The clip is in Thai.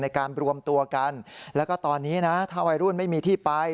ในการรวมตัวกันแล้วก็ตอนนี้นะถ้าวัยรุ่นไม่มีที่ไป